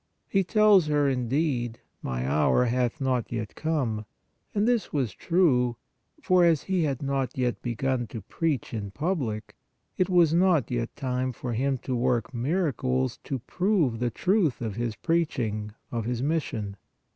He tells her, indeed, " My hour hath not yet come ;" and this was true, for as he had not yet begun to preach in public, it was not yet time for Him to work miracles to prove the truth of His preaching, of His mission.